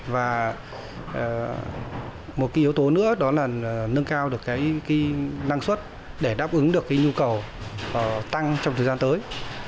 và một yếu tố nữa đó là nâng cao được năng suất để đáp ứng được nhu cầu tăng trong thời gian tới